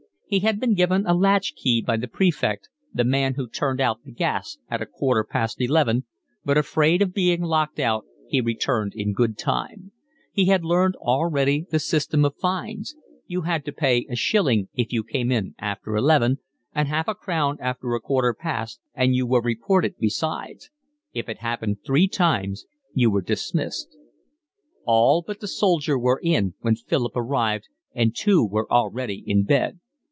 He had been given a latch key by the prefect, the man who turned out the gas at a quarter past eleven, but afraid of being locked out he returned in good time; he had learned already the system of fines: you had to pay a shilling if you came in after eleven, and half a crown after a quarter past, and you were reported besides: if it happened three times you were dismissed. All but the soldier were in when Philip arrived and two were already in bed.